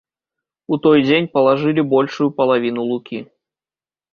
У той дзень палажылі большую палавіну лукі.